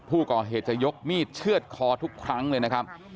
ผู้ก่อเหตุจะยกมีดเชื่อดคอทุกครั้งเลยนะครับ